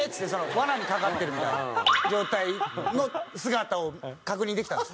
罠にかかってるみたいな状態の姿を確認できたんです。